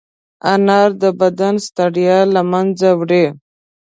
انار د بدن ستړیا له منځه وړي.